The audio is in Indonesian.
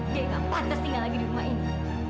dia gak pantas tinggal lagi di rumah ini